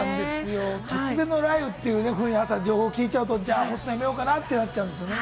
突然の雷雨という情報を聞いちゃうと、干すのはやめようかなと、なっちゃうんですよね。